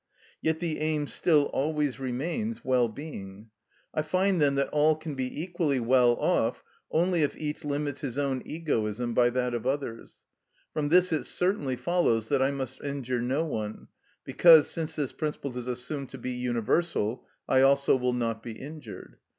Yet the aim still always remains well being. I find, then, that all can be equally well off only if each limits his own egoism by that of others. From this it certainly follows that I must injure no one, because, since this principle is assumed to be universal, I also will not be injured.